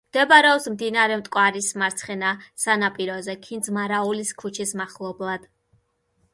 მდებარეობს მდინარე მტკვარის მარცხენა სანაპიროზე, ქინძმარაულის ქუჩის მახლობლად.